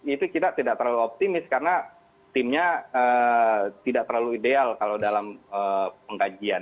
itu kita tidak terlalu optimis karena timnya tidak terlalu ideal kalau dalam pengkajian